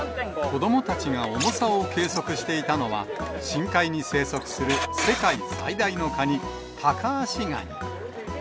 子どもたちが重さを計測していたのは、深海に生息する世界最大のカニ、タカアシガニ。